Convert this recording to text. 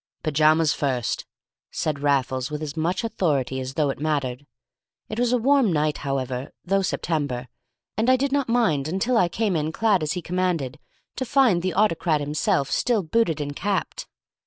"Pyjamas first," said Raffles, with as much authority as though it mattered. It was a warm night, however, though September, and I did not mind until I came in clad as he commanded to find the autocrat himself still booted and capped.